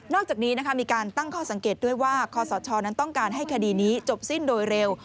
อกจากนี้มีการตั้งข้อสังเกตด้วยว่าคอสชนั้นต้องการให้คดีนี้จบสิ้นโดยเร็ว